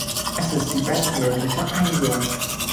Es ist die bestmögliche Einigung.